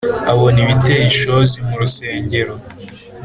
Abona ibiteye ishozi mu rusengero